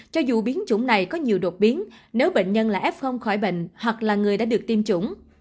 cho dù biến chủng này có nhiều đột biến nếu bệnh nhân là f khỏi bệnh hoặc là người đã được tiêm chủng